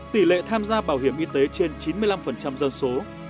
tỷ lệ tham gia bảo hiểm y tế trên chín mươi năm phần trăm dân số